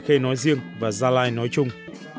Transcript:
an khê nói riêng và gia lai nói chung